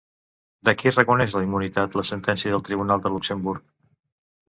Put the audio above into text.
De qui reconeix la immunitat la sentència del Tribunal de Luxemburg?